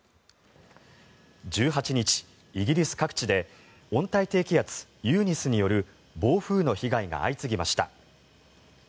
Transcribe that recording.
１８日、イギリス各地で温帯低気圧、ユーニスによる暴風の被害が相次ぎました。